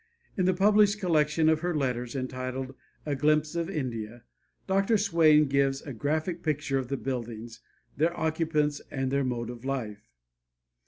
In the published collection of her letters, entitled "A Glimpse of India," Dr. Swain gives a graphic picture of the buildings, their occupants and their mode of life.